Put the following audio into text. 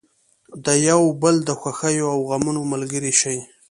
د یو بل د خوښیو او غمونو ملګري شئ.